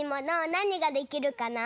なにができるかな？